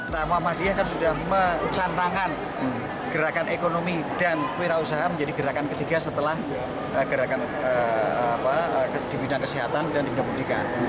nah muhammadiyah kan sudah mencantangan gerakan ekonomi dan wira usaha menjadi gerakan ketiga setelah gerakan di bidang kesehatan dan di bidang pendidikan